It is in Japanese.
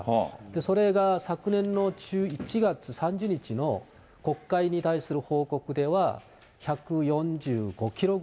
それが昨年の１１月３０日の国会に対する報告では、最高で。